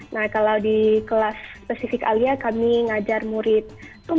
nah kalau di kelas spesifik alia kami mengajar murid umur sb dan smp